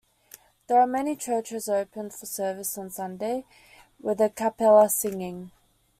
There are many churches open for service on Sunday, with a cappella singing.